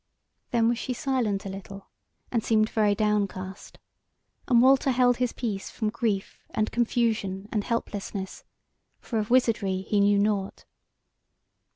Then was she silent a little, and seemed very downcast, and Walter held his peace from grief and confusion and helplessness; for of wizardry he knew nought.